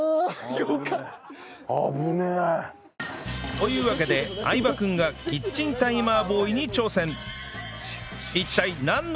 というわけで相葉君がキッチンタイマーボーイ。